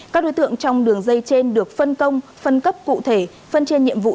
các đối tượng trong đường dây trên được phân công phân cấp cụ thể phân trên nhiệm vụ